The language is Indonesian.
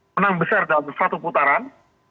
menang besar dalam satu putaran